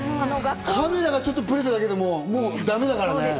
カメラがちょっとブレただけでもダメだからね。